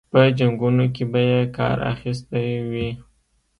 په جنګونو کې به یې کار اخیستی وي.